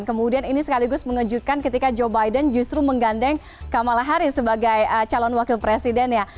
kemudian ini sekaligus mengejutkan ketika joe biden justru menggandeng kamala harris sebagai calon wakil presidennya